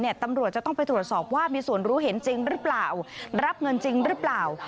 ตำรวจจะต้องไปตรวจสอบว่ามีส่วนรู้เห็นจริงหรือเปล่ารับเงินจริงหรือเปล่า